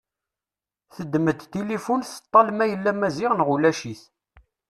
Teddem-d tilifun teṭṭal ma yella Maziɣ neɣ ulac-it.